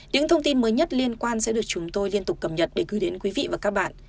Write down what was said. những thông tin mới nhất liên quan sẽ được chúng tôi liên tục cập nhật để gửi đến quý vị và các bạn